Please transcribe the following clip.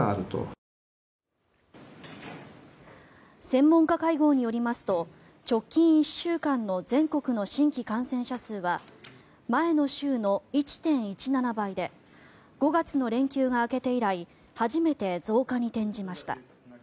専門家会合によりますと直近１週間の全国の新規感染者数は前の週の１．１７倍で５月の連休が明けて以来初めて増加に転じました。